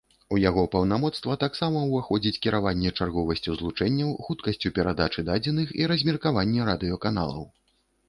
У яго паўнамоцтва таксама ўваходзіць кіраванне чарговасцю злучэнняў, хуткасцю перадачы дадзеных і размеркаванне радыёканалаў.